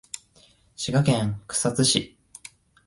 滋賀県草津市